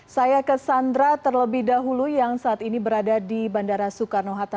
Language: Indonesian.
saya ke sandra terlebih dahulu yang saat ini berada di bandara soekarno hatta